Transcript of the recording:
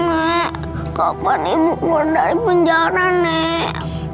nek kapan ibu keluar dari penjara nek